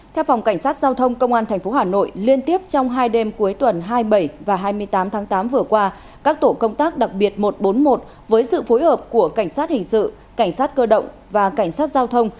theo phòng cảnh sát giao thông công an tp hà nội liên tiếp trong hai đêm cuối tuần hai mươi bảy và hai mươi tám tháng tám vừa qua các tổ công tác đặc biệt một trăm bốn mươi một với sự phối hợp của cảnh sát hình sự cảnh sát cơ động và cảnh sát giao thông